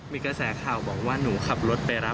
มีกระแสข่าวบอกว่าหนูขับรถไปรับ